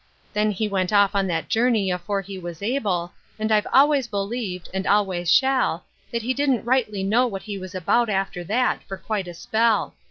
Then he went off on that journey afore he was able, and I've always believed, and always shall, that he didn't rightly know what he was about after that, for quite a spell.